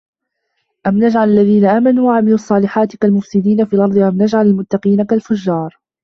أَم نَجعَلُ الَّذينَ آمَنوا وَعَمِلُوا الصّالِحاتِ كَالمُفسِدينَ فِي الأَرضِ أَم نَجعَلُ المُتَّقينَ كَالفُجّارِ